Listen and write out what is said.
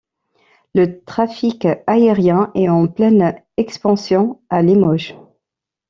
Le trafic aérien est en pleine expansion à Limoges.